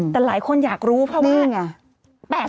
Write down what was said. แต่หลายคนอยากรู้เพราะว่า